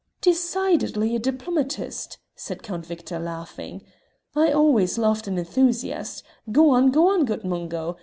"Decidedly a diplomatist!" said Count Victor, laughing. "I always loved an enthusiast; go on go on, good Mungo.